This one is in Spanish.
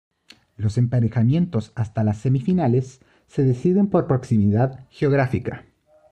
Los emparejamientos hasta las semifinales se deciden por proximidad geográfica.